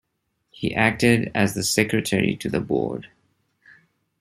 He acted as the secretary to the board.